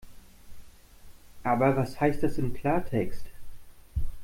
Aber was heißt das im Klartext?